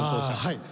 はい。